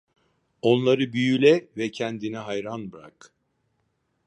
Onları büyüle ve kendine hayran bırak.